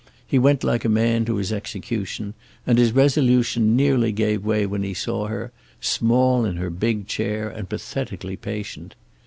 He went like a man to his execution, and his resolution nearly gave way when he saw her, small in her big chair and pathetically patient.